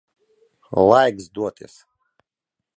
Laiks doties.